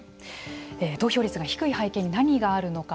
投票率が低い背景に何があるのか